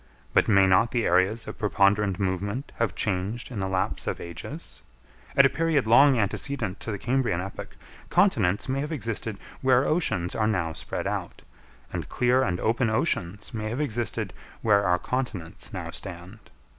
But may not the areas of preponderant movement have changed in the lapse of ages? At a period long antecedent to the Cambrian epoch, continents may have existed where oceans are now spread out, and clear and open oceans may have existed where our continents now stand.